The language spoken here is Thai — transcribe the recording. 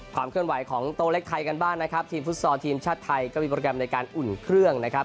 ความเคลื่อนไหวของโตเล็กไทยกันบ้างนะครับทีมฟุตซอลทีมชาติไทยก็มีโปรแกรมในการอุ่นเครื่องนะครับ